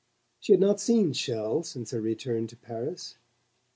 She had not seen Chelles since her return to Paris.